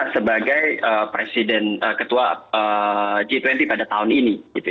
sebagai presiden ketua g dua puluh pada tahun ini